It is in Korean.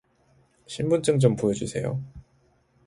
신분증 좀 보여 주세요